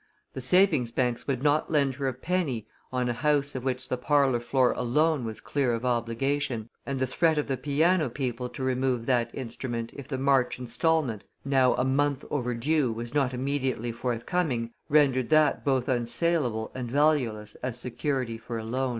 The savings banks would not lend her a penny on a house of which the parlor floor alone was clear of obligation, and the threat of the piano people to remove that instrument if the March instalment, now a month over due, was not immediately forthcoming rendered that both unsalable and valueless as security for a loan.